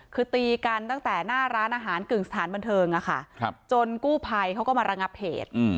คือตีกันตั้งแต่หน้าร้านอาหารกึ่งสถานบันเทิงจนกู้ภัยเขาก็มาระงับเหตุ